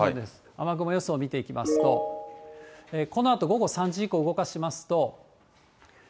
雨雲予想見ていきますと、このあと午後３時以降、動かしますと。